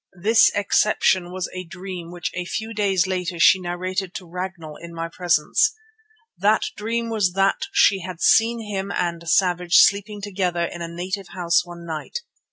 This exception was a dream which a few days later she narrated to Ragnall in my presence. That dream was that she had seen him and Savage sleeping together in a native house one night.